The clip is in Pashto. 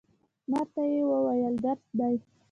ما ته یې وویل، درس دی.